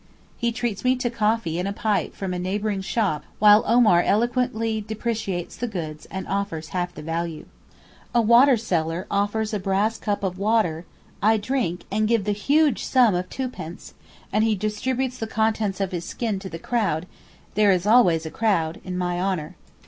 He treats me to coffee and a pipe from a neighbouring shop while Omar eloquently depreciates the goods and offers half the value. A water seller offers a brass cup of water; I drink, and give the huge sum of twopence, and he distributes the contents of his skin to the crowd (there always is a crowd) in my honour.